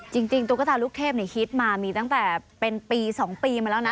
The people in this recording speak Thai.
ตุ๊กตาลูกเทพฮิตมามีตั้งแต่เป็นปี๒ปีมาแล้วนะ